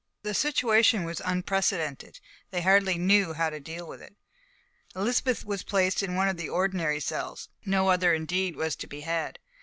The situation was unprecedented, they hardly knew how to deal with it. Elizabeth was placed in one of the ordinary cells; no other indeed was to be had.